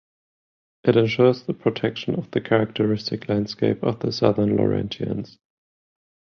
It ensures the protection of the characteristic landscape of the Southern Laurentians.